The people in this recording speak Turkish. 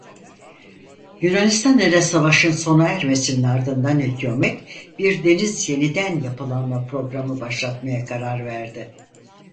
Yunanistan ile savaşın sona ermesinin ardından hükûmet bir deniz yeniden yapılanma programı başlatmaya karar verdi.